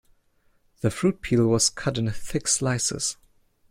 The fruit peel was cut in thick slices.